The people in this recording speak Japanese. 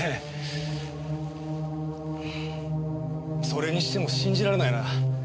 それにしても信じられないな。